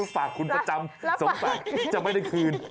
ฝากคุณประจำสงสัยจะไม่ได้คืน